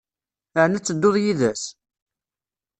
Ɛni ad tedduḍ yid-s?